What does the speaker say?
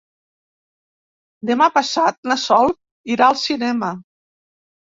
Demà passat na Sol irà al cinema.